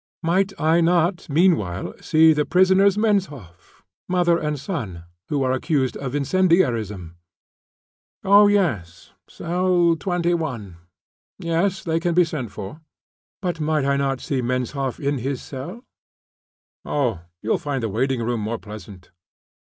"Might I not meanwhile see the prisoners Menshoff, mother and son, who are accused of incendiarism?" "Oh, yes. Cell No. 21. Yes, they can be sent for." "But might I not see Menshoff in his cell?" "Oh, you'll find the waiting room more pleasant."